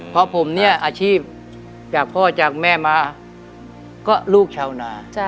เพราะผมเนี่ยอาชีพจากพ่อจากแม่มาก็ลูกชาวนา